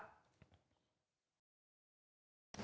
ท่านท่านระบุตัวสองรบชายสีเยียะนะคะ